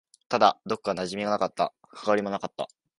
ただ、どこか馴染みがなかった。関わりもなかった。